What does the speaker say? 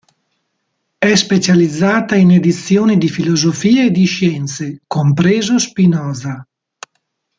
È specializzata in edizioni di filosofia e di scienze, compreso Spinoza.